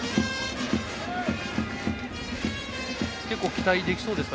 期待できそうですか？